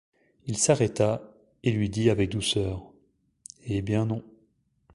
Il s’arrêta, et lui dit avec douceur: — Eh bien non.